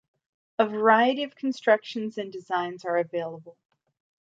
A variety of constructions and designs are available.